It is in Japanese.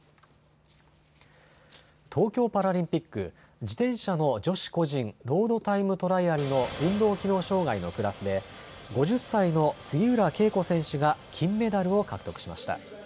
東京パラリンピック、自転車の女子個人ロードタイムトライアルの運動機能障害のクラスで５０歳の杉浦佳子選手が金メダルを獲得しました。